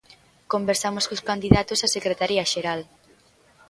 Conversamos cos candidatos á Secretaría Xeral.